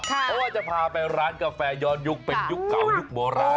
เพราะว่าจะพาไปร้านกาแฟย้อนยุคเป็นยุคเก่ายุคโบราณ